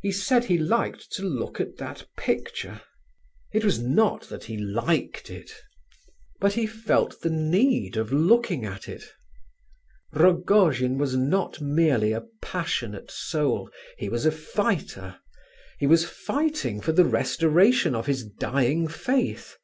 He said he liked to look at that picture; it was not that he liked it, but he felt the need of looking at it. Rogojin was not merely a passionate soul; he was a fighter. He was fighting for the restoration of his dying faith.